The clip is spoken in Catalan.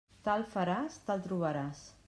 Tal faràs, tal trobaràs.